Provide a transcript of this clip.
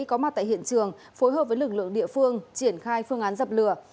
có mặt tại hiện trường phối hợp với lực lượng địa phương triển khai phương án dập lửa